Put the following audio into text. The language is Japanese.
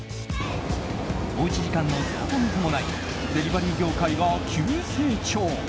おうち時間の増加に伴いデリバリー業界が急成長。